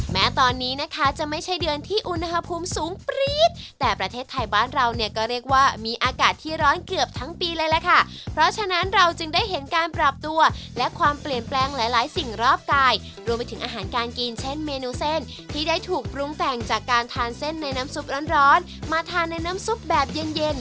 แม้ตอนนี้นะคะจะไม่ใช่เดือนที่อุณหภูมิสูงปรี๊ดแต่ประเทศไทยบ้านเราเนี่ยก็เรียกว่ามีอากาศที่ร้อนเกือบทั้งปีเลยล่ะค่ะเพราะฉะนั้นเราจึงได้เห็นการปรับตัวและความเปลี่ยนแปลงหลายหลายสิ่งรอบกายรวมไปถึงอาหารการกินเช่นเมนูเส้นที่ได้ถูกปรุงแต่งจากการทานเส้นในน้ำซุปร้อนร้อนมาทานในน้ำซุปแบบเย็นเย็น